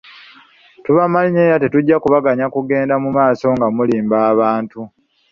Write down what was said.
Tubamanyi era tetujja kubaganya kugenda mu maaso nga mulimba abantu.